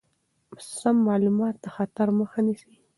سم معلومات د خطر مخه نیسي.